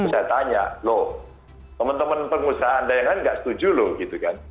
saya tanya loh teman teman pengusaha anda yang lain nggak setuju loh gitu kan